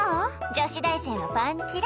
女子大生のパンチラ。